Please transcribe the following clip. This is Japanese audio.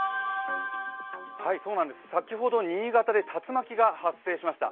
先ほど新潟で竜巻が発生しました。